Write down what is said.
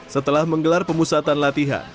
setelah menggelar pemusatan latihan